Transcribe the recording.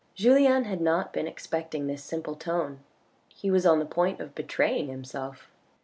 Julien had not been expecting this simple tone. He was on the point of betraying himself.